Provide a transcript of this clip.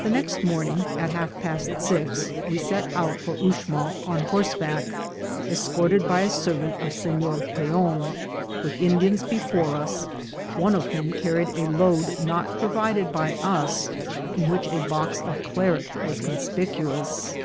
The next morning at half past six we set out for Ux mal on horseback, escorted by a servant of Senor Peon, with Indians before us, one of whom carried a load not provided by us, in which a box of claret was conspicu ous.